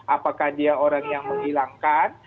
apakah dia orang yang menghilangkan